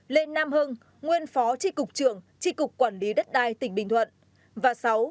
năm lê nam hưng nguyên phó tri cục trưởng tri cục quản lý đất đai tỉnh bình thuận